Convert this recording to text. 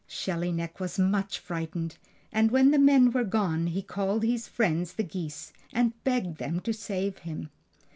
Shelly Neck was much frightened, and when the men were gone he called his friends the geese, and begged them to save him.